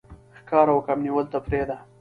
ښکار او کب نیول تفریح ده.